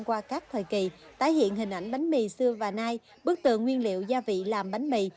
qua các thời kỳ tái hiện hình ảnh bánh mì xưa và nay bức tượng nguyên liệu gia vị làm bánh mì